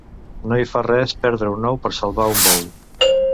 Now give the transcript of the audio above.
No hi fa res perdre un ou per salvar un bou.